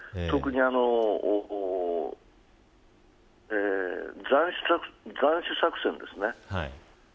特に斬首作戦ですね。